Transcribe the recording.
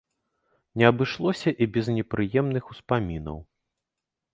Не абышлося і без непрыемных успамінаў.